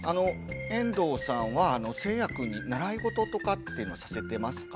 遠藤さんはせいやくんに習い事とかっていうのさせてますか？